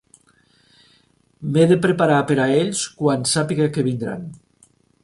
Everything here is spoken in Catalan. M'he de preparar per a ells quan sàpiga que vindran.